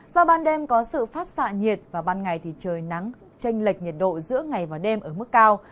do ban đêm có sự phát xạ nhiệt và ban ngày thì trời nắng tranh lệch nhiệt độ giữa ngày và đêm ở mức cao